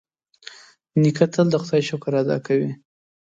نیکه تل د خدای شکر ادا کوي.